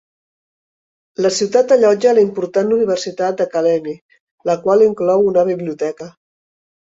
La ciutat allotja la important Universitat de Kalemie, la qual inclou una biblioteca.